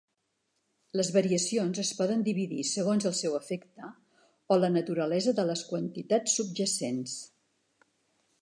Les variacions es poden dividir segons el seu efecte o la naturalesa de les quantitats subjacents.